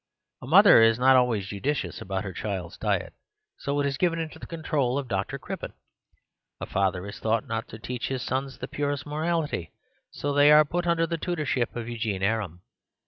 A mother is not always judicious about her child's diet; so it is given into the control of Dn Crippen. A father is thought not to teach his sons the purest morality; so they are put under the tutorship of Eugene Aram.